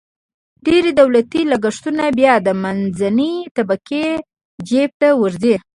ډېری دولتي لګښتونه بیا د منځنۍ طبقې جیب ته ورځي.